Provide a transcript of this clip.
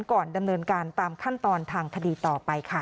ก่อนดำเนินการตามขั้นตอนทางคดีต่อไปค่ะ